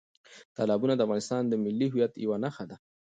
تالابونه د افغانستان د ملي هویت یوه نښه ده.